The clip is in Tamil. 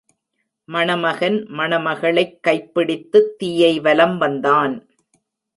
மணமகன் மணமகளைக் கைப்பிடித்துத் தீயை வலம் வந்தான்.